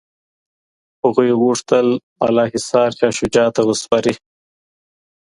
هغوی غوښتل بالاحصار شاه شجاع ته وسپاري.